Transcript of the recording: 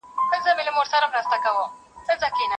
که ناوخته درته راغلم بهانې چي هېر مي نه کې